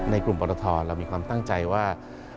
ในกลุ่มปรทเรามีความตั้งใจว่า